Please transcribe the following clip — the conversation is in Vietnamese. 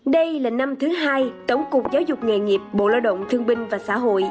đây là năm thứ hai tổng cục giáo dục nghề nghiệp bộ lao động thương binh